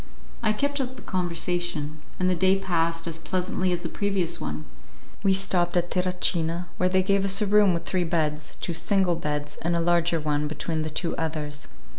I kept up the conversation, and the day passed as pleasantly as the previous one. We stopped at Terracina, where they gave us a room with three beds, two single beds and a large one between the two others.